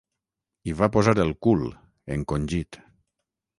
Hi va posar el cul, encongit.